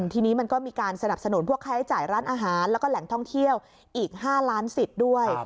ทีนี้มันก็มีการสนับสนุนพวกค่าใช้จ่ายร้านอาหารแล้วก็แหล่งท่องเที่ยวอีก๕ล้านสิทธิ์ด้วย